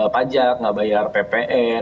pajak tidak bayar ppn